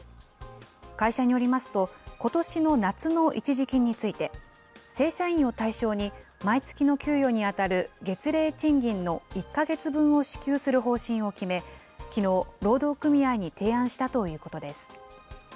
会社によりますと、ことしの夏の一時金について、正社員を対象に毎月の給与に当たる月例賃金の１か月分を支給する方針を決め、きのう、労働組合に提案したということです。